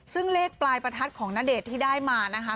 ซึ่งเลขปลายประทัดของณเดชน์ที่ได้มานะคะ